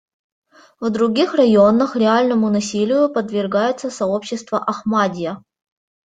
В других районах реальному насилию подвергается сообщество «Ахмадья».